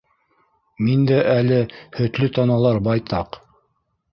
Миндә әле һөтлө таналар байтаҡ.